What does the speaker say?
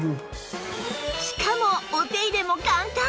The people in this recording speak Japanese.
しかもお手入れも簡単！